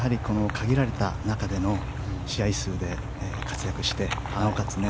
限られた中での試合数で活躍してなおかつ